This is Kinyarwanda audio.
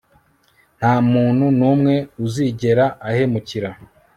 nta muntu numwe uzigera ahemukira